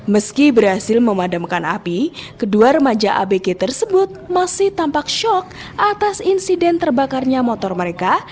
meski berhasil memadamkan api kedua remaja abg tersebut masih tampak shock atas insiden terbakarnya motor mereka